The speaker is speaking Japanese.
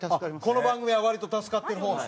この番組は割と助かってる方なの？